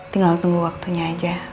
tinggal tunggu waktunya aja